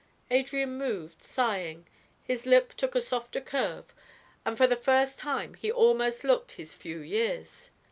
Adrian moved, sighing; his lip took a softer curve and for the first time he almost looked his few years.